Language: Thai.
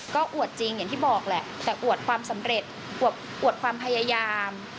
ก็อวดจริงอย่างที่บอกแหละแต่อวดความสำเร็จอวดความพยายาม